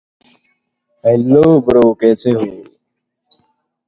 Four other Dollar Baby adaptations of this story are being developed.